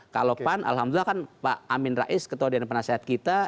kalau pan alhamdulillah kan pak amin rais ketua dan penasehat kita